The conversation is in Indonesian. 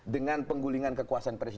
dan memang benar